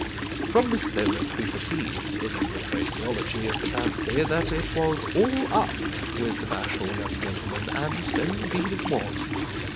From this moment we perceived, in the phraseology of the fancy, that it was 'all up' with the bashful young gentleman, and so indeed it was.